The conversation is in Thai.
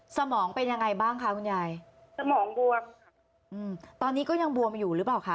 สมองเป็นยังไงบ้างค่ะคุณยายตอนนี้ก็ยังบวมมาอยู่หรือเปล่าค่ะ